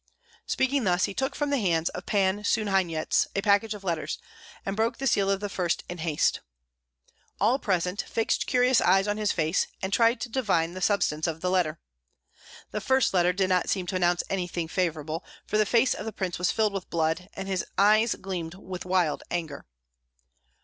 Speaking thus, he took from the hands of Pan Suhanyets a package of letters, and broke the seal of the first in haste. All present fixed curious eyes on his face, and tried to divine the substance of the letter. The first letter did not seem to announce anything favorable, for the face of the prince was filled with blood, and his eyes gleamed with wild anger.